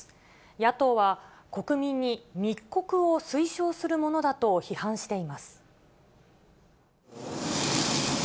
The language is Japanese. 野党は、国民に密告を推奨するものだと批判しています。